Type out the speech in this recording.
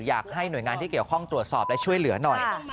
อยากให้หน่วยงานที่เกี่ยวข้องตรวจสอบและช่วยเหลือหน่อย